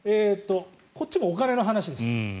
こっちもお金の話です。